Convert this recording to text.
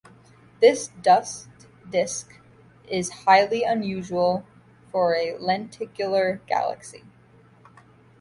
This dust disk is highly unusual for a lenticular galaxy.